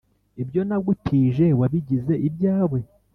ibyo nagutije wabigize ibyawe’